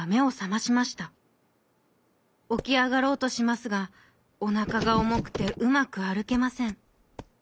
おきあがろうとしますがおなかがおもくてうまくあるけません。